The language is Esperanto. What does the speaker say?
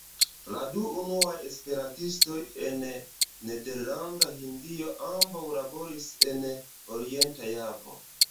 La du unuaj esperantistoj en Nederlanda Hindio ambaŭ laboris en Orienta Javo.